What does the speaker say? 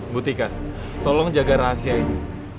buktikan tolong jaga rahasia ini